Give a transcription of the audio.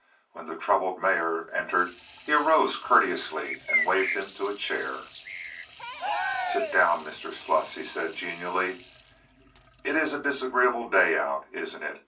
When the troubled mayor entered he arose courteously and waved him to a chair. "Sit down, Mr. Sluss," he said, genially. "It's a disagreeable day out, isn't it?